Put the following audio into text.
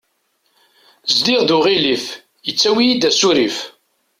Zdiɣ d uɣilif, yettawi yid-i asurif.